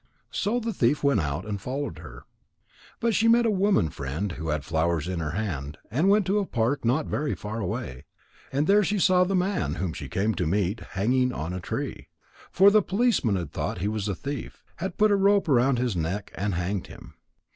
So the thief went out and followed her. But she met a woman friend who had flowers in her hand, and went to a park not very far away. And there she saw the man whom she came to meet hanging on a tree. For the policeman had thought he was a thief, had put a rope around his neck and hanged him.